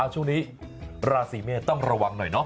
อ๋อช่วงนี้ราศิเมียต้องระวังหน่อย